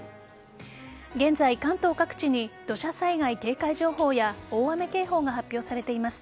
現在、関東各地に土砂災害警戒情報や大雨警報が発表されています。